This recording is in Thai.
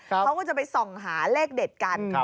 เขาก็จะไปส่องหาเลขเด็ดกัน